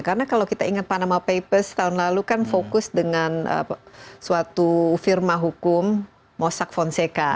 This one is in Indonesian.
karena kalau kita ingat panama papers tahun lalu kan fokus dengan suatu firma hukum mossack fonseca